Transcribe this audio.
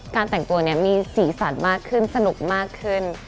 แต่งตัวเนี่ยมีสีสันมากขึ้นสนุกมากขึ้น